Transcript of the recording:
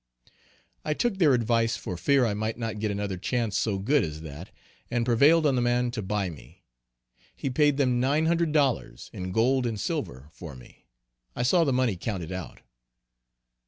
I took their advice for fear I might not get another chance so good as that, and prevailed on the man to buy me. He paid them nine hundred dollars, in gold and silver, for me. I saw the money counted out.